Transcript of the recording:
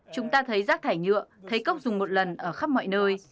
chúng ta thấy rác thải nhựa thấy cốc dùng một lần ở khắp mọi nơi